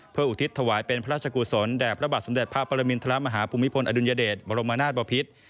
เพื่ออุทิศถวายเป็นพระราชกุศลแด่พระบาทสมเด็จพระปรมินทรมาฮภูมิพลอดุลยเดชบรมนาศบพิษ